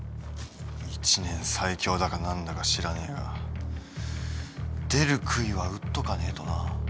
１年最強だか何だか知らねえが出るくいは打っとかねえとな。